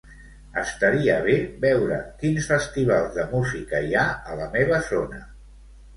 Estaria bé veure quins festivals de música hi ha a la meva zona.